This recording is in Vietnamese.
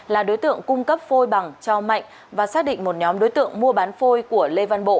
là đối tượng cung cấp phôi bằng cho mạnh và xác định một nhóm đối tượng mua bán phôi của lê văn bộ